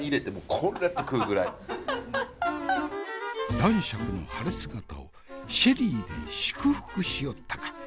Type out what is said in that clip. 男爵の晴れ姿をシェリーで祝福しおったか。